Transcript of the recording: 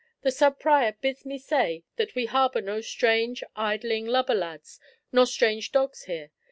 The sub prior bids me say that we harbour no strange, idling, lubber lads nor strange dogs here.